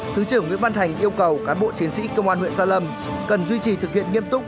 thứ trưởng nguyễn văn thành yêu cầu cán bộ chiến sĩ công an huyện gia lâm cần duy trì thực hiện nghiêm túc